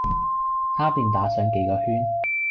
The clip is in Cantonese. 他便打上幾個圈；